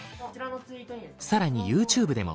更にＹｏｕＴｕｂｅでも。